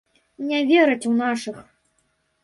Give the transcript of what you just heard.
Не вераць у нашых!